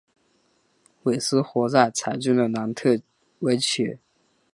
韦斯活在柴郡的南特威奇。